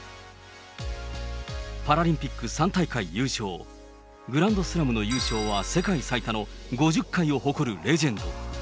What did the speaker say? パラリンピック３大会優勝、グランドスラムの優勝は世界最多の５０回を誇るレジェンド。